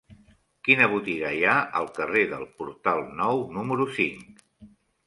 Quina botiga hi ha al carrer del Portal Nou número cinc?